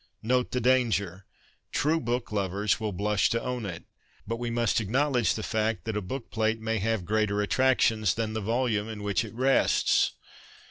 Note the danger ! True book lovers will blush to own it, but we must acknowledge the fact that a bookplate may have greater attractions than the volume in which it rests